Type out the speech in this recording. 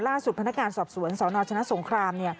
ล่าสุดพันธการสอบสวนสนชนะสงคราม